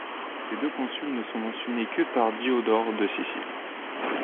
Ces deux consuls ne sont mentionnés que par Diodore de Sicile.